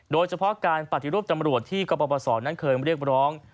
โดยเฉพาะการปฏิรูปตำรวจที่กรปศนั้นเคยเรียกร้อง